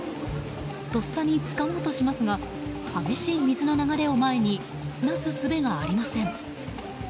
とっさに掴もうとしますが激しい水の流れを前になすすべがありません。